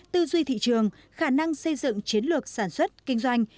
tư duy thị trường khả năng xây dựng chiến lược sản xuất kinh doanh